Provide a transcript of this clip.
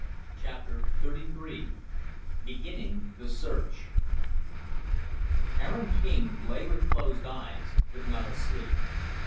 Chapter XXXIII Beginning the Search Aaron King lay with closed eyes, but not asleep.